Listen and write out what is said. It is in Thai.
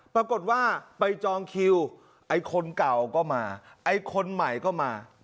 ปรากฏว่าไปจองคิวไอ้คนเก่าก็มาไอ้คนใหม่ก็มา